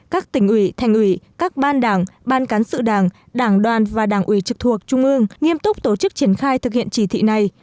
các tỉnh ủy thành ủy các ban đảng ban cán sự đảng đảng đoàn và đảng ủy trực thuộc trung ương nghiêm túc tổ chức triển khai thực hiện chỉ thị này